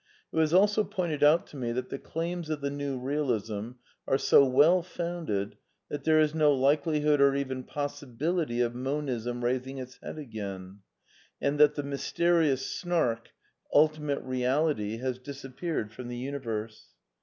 It was also pointed out to me that the claims of the New Realism are so well founded that there is no likelihood or even possi bility of Monism raising its head again, and that the mys terious Snark, " ultimate reality," has disappeared from the universe.